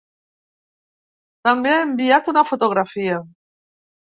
També ha enviat una fotografia.